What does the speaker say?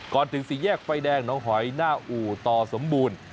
ถึงสี่แยกไฟแดงน้องหอยหน้าอู่ต่อสมบูรณ์